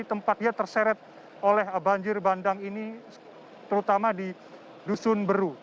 tempat ia terseret oleh banjir bandang ini terutama di dusun beru